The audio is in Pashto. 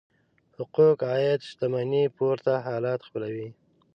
حقوق عاید شتمنۍ پورته حالت خپلوي.